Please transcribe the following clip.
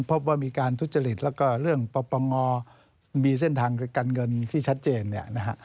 พบว่ามีการทุจริตแล้วก็เรื่องปปงมีเส้นทางการเงินที่ชัดเจนเนี่ยนะฮะ